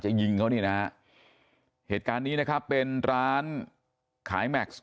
ยิงเขานี่นะฮะเหตุการณ์นี้นะครับเป็นร้านขายแม็กซ์